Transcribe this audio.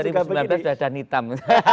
dua ribu sembilan belas sudah ada hitam